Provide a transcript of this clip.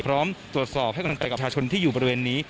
พร้อมตรวจสอบให้กำลังใจกับประชาชนที่อยู่บริเวณนี้